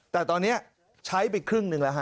แต่ตอนนี้ใช้ไปครึ่งหนึ่งแล้วฮ